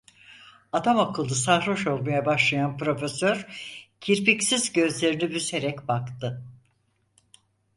Adamakıllı sarhoş olmaya başlayan Profesör, kirpiksiz gözlerini büzerek baktı.